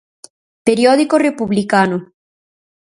Periódico republicano.